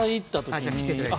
◆じゃあ切っていただいて。